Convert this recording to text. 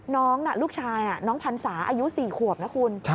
น้องน่ะลูกชายน้องพันศาอายุ๔ขวบนะคุณ